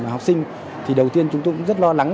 và học sinh thì đầu tiên chúng tôi cũng rất lo lắng